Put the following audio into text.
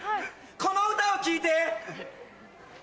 この歌を聴いて！